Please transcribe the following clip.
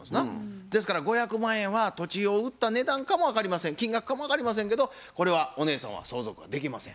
ですから５００万円は土地を売った値段かも分かりません金額かも分かりませんけどこれはお姉さんは相続できません。